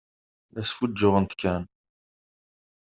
La sfuǧǧuɣent kan.